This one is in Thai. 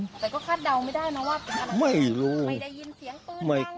แต่ก็คาดเดาไม่ได้นะว่ามันได้ยินเสียงปืนเงิน